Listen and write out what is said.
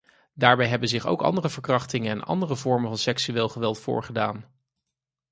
Daarbij hebben zich ook verkrachtingen en andere vormen van seksueel geweld voorgedaan.